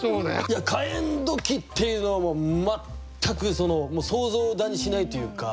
いや「火焔土器」っていうのも全く想像だにしないというか。